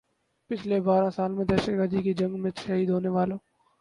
پچھلے بارہ سال میں دہشت گردی کی جنگ میں شہید ہونے والوں